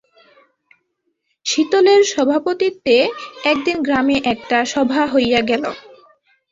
শীতলের সভাপতিত্বে একদিন গ্রামে একটা সভা হইয়া গেল।